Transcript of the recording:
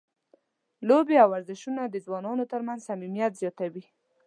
لوبې او ورزشونه د ځوانانو ترمنځ صمیمیت زیاتوي.